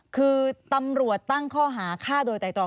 คือตำรวจตั้งข้อหาฆ่าโดยไตรตรอง